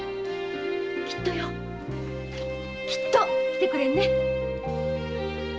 きっとよ。きっと来てくれんね。